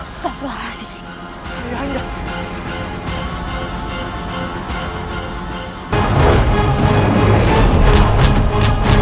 sampai jumpa lagi